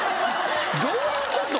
どういうこと？